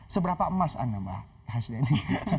seberapa emas anda mbak hasnani